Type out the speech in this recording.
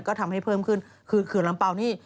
ก็ทำให้เพิ่มขึ้นคือเขื่อนลำเปล่านี่